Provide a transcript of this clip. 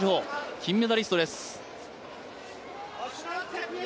金メダリストです。